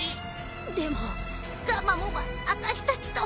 でもガンマモンは私たちと。